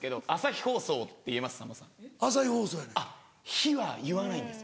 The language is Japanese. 「ひ」は言わないんです。